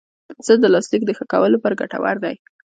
پنسل د لاسي لیک د ښه کولو لپاره ګټور دی.